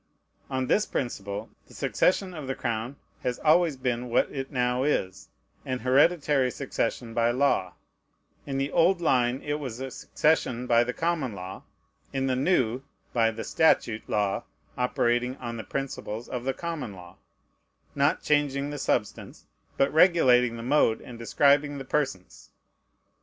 On this principle, the succession of the crown has always been what it now is, an hereditary succession by law: in the old line it was a succession by the Common Law; in the new by the statute law, operating on the principles of the Common Law, not changing the substance, but regulating the mode and describing the persons.